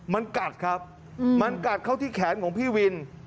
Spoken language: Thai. มันกัดครับมันกัดเข้าที่แขนของพี่วิน